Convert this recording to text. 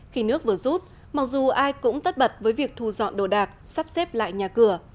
khi nước vừa rút mặc dù ai cũng tất bật với việc thu dọn đồ đạc sắp xếp lại nhà cửa